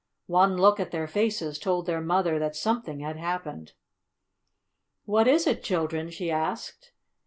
One look at their faces told their mother that something had happened. "What is it, children?" she asked.